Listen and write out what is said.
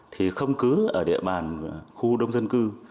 thì không cứ ở địa bàn khu đông dân cư